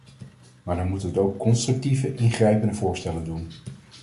Maar dan moet het ook constructieve, ingrijpende voorstellen doen.